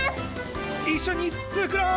いっしょにつくろう！